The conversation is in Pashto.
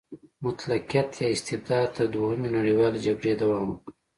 مطلقیت یا استبداد تر دویمې نړیوالې جګړې دوام وکړ.